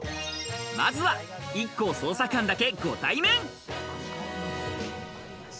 まずはＩＫＫＯ捜査官だけご対面！